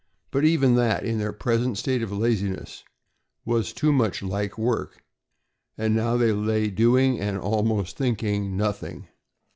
But even that, in their present state of laziness, was too much like work, and now they lay doing and almost thinking nothing.